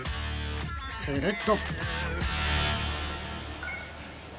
［すると］